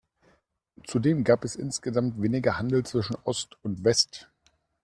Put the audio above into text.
Zudem gab es insgesamt weniger Handel zwischen Ost und West.